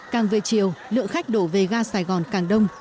càng về chiều lượng khách đổ về ga sài gòn càng đông